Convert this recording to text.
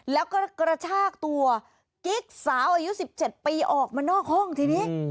แล้วก็กระชากตัวกิ๊กสาวอายุ๑๗ปีออกมานอกห้องทีนี้